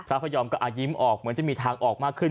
พระพยอมก็อาจยิ้มออกเหมือนจะมีทางออกมากขึ้น